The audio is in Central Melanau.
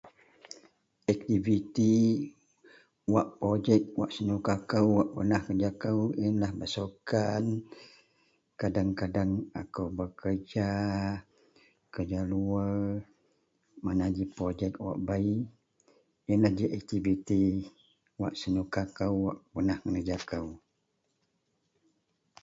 activiti wak projek wak senuka kou wak pernah kenereja kou ienlah bersukan kadeng-kadeng akou bekerja, kerja luar, mana ji projek wak bei, ienlah ji aktiviti wak senuka kou wak pernah kenerja kou